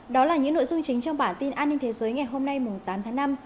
đó là những nội dung chính trong bản tin an ninh thế giới ngày hôm nay tám tháng năm